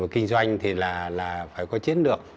kinh doanh thì là phải có chiến được